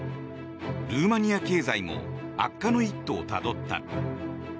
ルーマニア経済も悪化の一途をたどった。